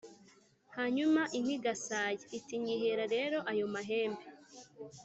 hanyuma inka igasaya? iti nyihera rero ayo mahembe.